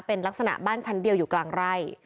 เป็นลักษณะบ้านชั้นเดียวอยู่กลางไร่